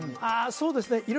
あそうですね